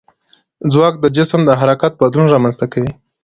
ځواک د جسم د حرکت بدلون رامنځته کوي.